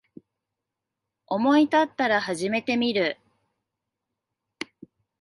思いたったら始めてみる